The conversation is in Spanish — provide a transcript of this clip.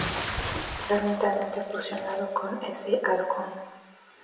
Estar mentalmente fusionado con ese halcón.